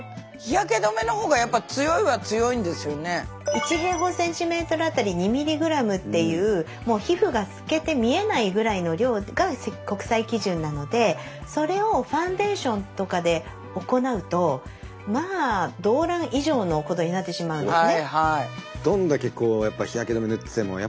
１あたり２ｍｇっていうもう皮膚が透けて見えないぐらいの量が国際基準なのでそれをファンデーションとかで行うとまあドーラン以上のことになってしまうんですね。